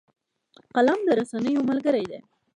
قلم د رسنیو ملګری دی